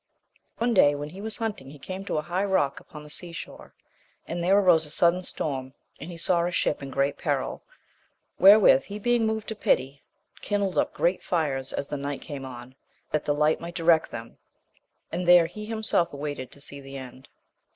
One day, when he was hunting, he came to a high rock upon the sea shore, and there arose a sudden storm, and he saw a ship in great peril, wherewith he being moved to pity, kindled up great fires as the night came on, that the light might direct them, and there he himself awaited to see the end.